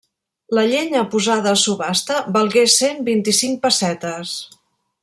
La llenya posada a subhasta valgué cent vint-i-cinc pessetes.